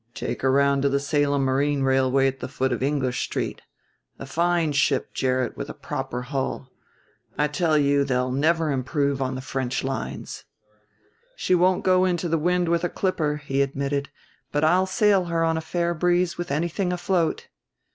"Take her around to the Salem Marine Railway at the foot of English Street. A fine ship, Gerrit, with a proper hull. I tell you they'll never improve on the French lines." "She won't go into the wind with a clipper," he admitted; "but I'll sail her on a fair breeze with anything afloat."